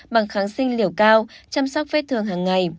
bằng kháng sinh liều cao chăm sóc vết thương hàng ngày